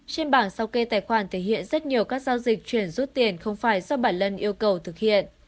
trên bảng sao kê tài khoản thể hiện rất nhiều các giao dịch chuyển rút tiền không phải do bản lân yêu cầu thực hiện